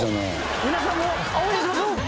皆さんも応援しましょう！